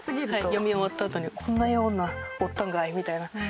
読み終わったあとに「こんなようなおったんかい」みたいな感じとかに。